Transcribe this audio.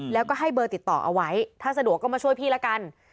แล้วก็ให้เบอร์ติดต่อเอาไว้ถ้าสะดวกก็มาช่วยพี่ละกัน